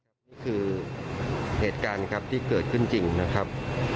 อันนี้คือเหตุการณ์ครับที่เกิดขึ้นจริงนะครับ